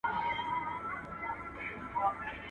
د حاجيانو ځاى مکه ده.